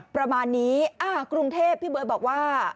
ประมาณนี้กรุงเทพพี่เบิร์ตบอกว่า